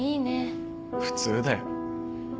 普通だよ。